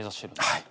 はい。